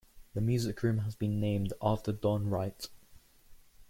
The music room has been named after Don Wright.